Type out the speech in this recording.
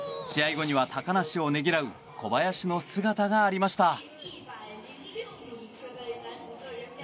試合後には高梨をねぎらう小林の姿がありました。